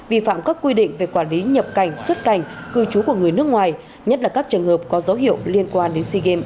vi phạm các quy định về quản lý nhập cảnh xuất cảnh cư trú của người nước ngoài nhất là các trường hợp có dấu hiệu liên quan đến sigem ba mươi một